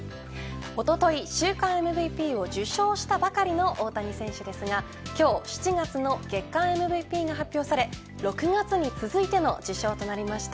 おととい、週間ＭＶＰを受賞したばかりの大谷選手ですが今日７月の月間ＭＶＰが発表され６月に続いての受賞となりました。